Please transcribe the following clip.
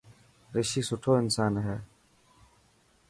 رشي سٺو انسان هي.